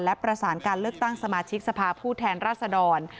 และประสานการเลือกตั้งสมาชิกสภาพผู้แทนรัศดร